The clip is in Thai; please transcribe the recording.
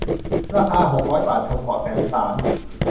ราคา หกร้อย บาท ชมเกาะแสมสาร